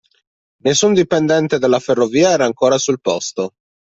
Nessun dipendente della ferrovia era ancora sul posto.